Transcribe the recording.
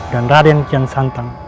dan raden kian santang